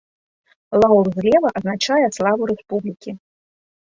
Лаўр злева азначае славу рэспублікі.